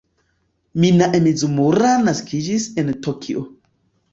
Minae Mizumura naskiĝis en Tokio.